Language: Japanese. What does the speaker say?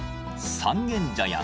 三軒茶屋